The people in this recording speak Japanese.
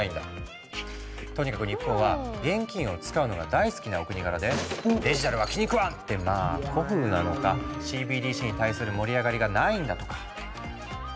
とにかく日本は現金を使うのが大好きなお国柄で「デジタルは気に食わん！」ってまあ古風なのかＣＢＤＣに対する盛り上がりがないんだとか。